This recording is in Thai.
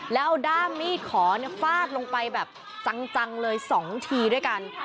แล้วเอาด้ามมีดขอฟาดลงไปแบบจังเลย๒ทีด้วยกัน